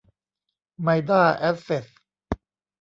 ไมด้า แอสเซ็ท